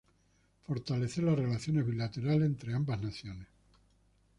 Fortalecer las relaciones bilaterales entre ambas naciones.